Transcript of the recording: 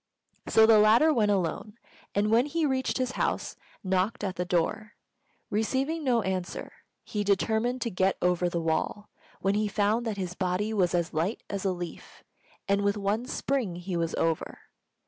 So the latter went alone, and when he reached his house, knocked at the door. Receiving no answer, he determined to get over the wall, when he found that his body was as light as a leaf, and with one spring he was over.